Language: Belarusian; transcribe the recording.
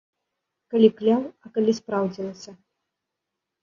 Калі кляў, а калі спраўдзілася.